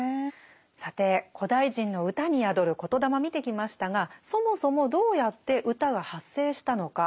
さて古代人の歌に宿る言霊見てきましたがそもそもどうやって歌が発生したのか。